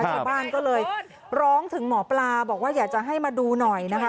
ชาวบ้านก็เลยร้องถึงหมอปลาบอกว่าอยากจะให้มาดูหน่อยนะคะ